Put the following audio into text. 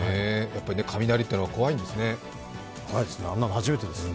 やっぱり雷というのは怖いんですね。